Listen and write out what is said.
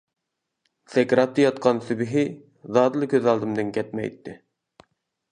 سەكراتتا ياتقان سۈبھى زادىلا كۆز ئالدىمدىن كەتمەيتتى.